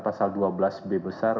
pasal dua belas b besar